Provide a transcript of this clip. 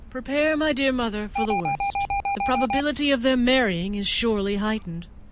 Prepare, my dear mother, for the worst! The probability of their marrying is surely heightened!